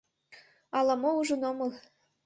Ала-мо ужын омыл.